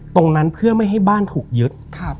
ตรงนั้นเพื่อไม่ให้บ้านถูกยึด